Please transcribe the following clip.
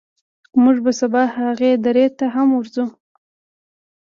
موږ به سبا هغې درې ته هم ورځو.